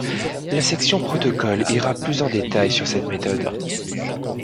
La section Protocole ira plus en détail sur cette méthode.